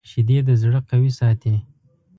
شیدې د زړه قوي ساتي